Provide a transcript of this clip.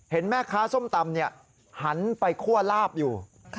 แม่ค้าส้มตำหันไปคั่วลาบอยู่